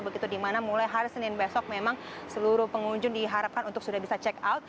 begitu dimana mulai hari senin besok memang seluruh pengunjung diharapkan untuk sudah bisa check out